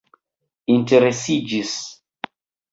interesiĝis